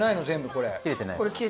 これ切れてないです。